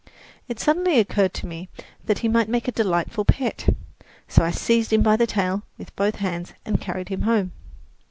It suddenly occurred to me that he might make a delightful pet; so I seized him by the tail with both hands and carried him home.